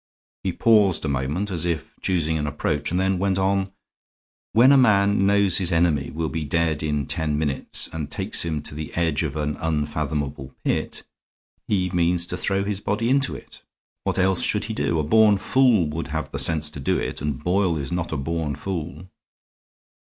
He paused a moment, as if choosing an approach, and then went on: "When a man knows his enemy will be dead in ten minutes, and takes him to the edge of an unfathomable pit, he means to throw his body into it. What else should he do? A born fool would have the sense to do it, and Boyle is not a born fool.